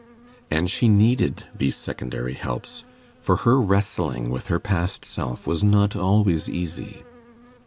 And she needed these secondary helps, for her wrestling with her past self was not always easy.